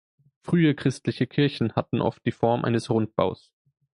Frühe christliche Kirchen hatten oft die Form eines Rundbaus.